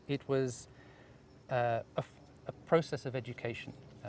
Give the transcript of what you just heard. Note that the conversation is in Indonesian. itu adalah proses pendidikan